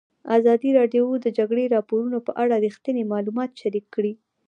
ازادي راډیو د د جګړې راپورونه په اړه رښتیني معلومات شریک کړي.